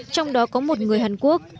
trong đó có một người hàn quốc